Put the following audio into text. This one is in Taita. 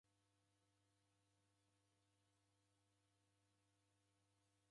Daendasikiria habari ra saa imweri.